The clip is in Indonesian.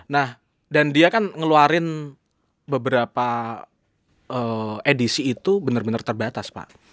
nah dan dia kan ngeluarin beberapa edisi itu benar benar terbatas pak